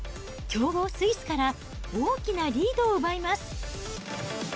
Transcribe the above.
強豪スイスから大きなリードを奪います。